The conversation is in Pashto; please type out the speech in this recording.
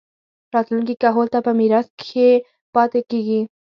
راتلونکي کهول ته پۀ ميراث کښې پاتې کيږي